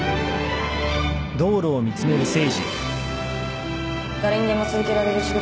誰にでも続けられる仕事じゃないよ